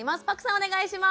お願いします！